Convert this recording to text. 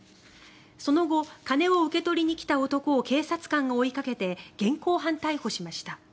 その後、金を受け取りに来た男を警察官が追いかけて現行犯逮捕しました。